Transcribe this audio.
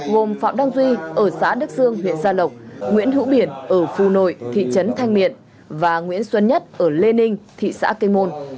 gồm phạm đăng duy ở xã đức dương huyện gia lộc nguyễn hữu biển ở phù nội thị trấn thanh miện và nguyễn xuân nhất ở lê ninh thị xã kinh môn